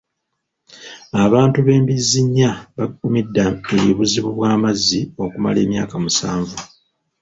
Abantu b'e Mbizzinnya bagumidde obuzibu bw'amazzi okumala emyaka musanvu.